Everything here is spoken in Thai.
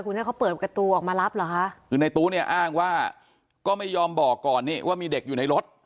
คุณให้เขาเปิดประตูออกมารับเหรอคะคือในตู้เนี่ยอ้างว่าก็ไม่ยอมบอกก่อนนี่ว่ามีเด็กอยู่ในรถ